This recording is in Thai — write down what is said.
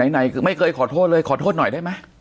ไหนไม่เคยขอโทษเลยขอโทษหน่อยได้ไหม